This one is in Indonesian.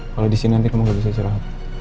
kalau disini nanti kamu gak bisa cerah